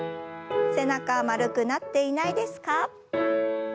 背中丸くなっていないですか？